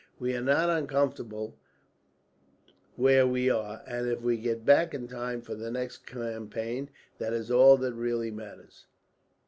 We are not uncomfortable where we are, and if we get back in time for the next campaign, that is all that really matters."